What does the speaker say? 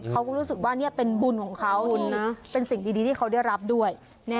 เขาก็รู้สึกว่านี่เป็นบุญของเขาเป็นสิ่งดีที่เขาได้รับด้วย